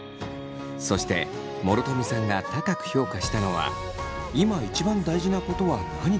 そして諸富さんが高く評価したのは今一番大事なことは何か？